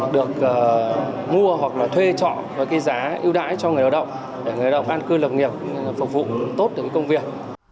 được mua hoặc thuê trọ và giá ưu đãi cho người đầu động để người đầu động an cư lập nghiệp phục vụ tốt công việc